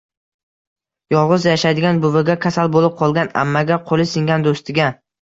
yolg‘iz yashaydigan buviga, kasal bo‘lib qolgan ammaga, qo‘li singan do‘stiga